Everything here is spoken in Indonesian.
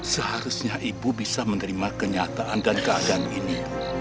seharusnya ibu bisa menerima kenyataan dan keadaan ini